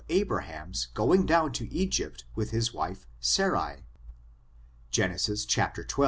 Abraham's going down to Egypt with his wife Sarai: Gen. xii, 10, 20.